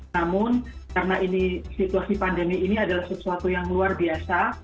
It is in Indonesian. namun karena ini situasi pandemi ini adalah sesuatu yang luar biasa